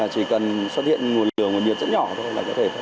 chỉ cần xuất hiện nguồn lửa nguồn nhiệt rất nhỏ thôi là có thể phát sinh ra nổ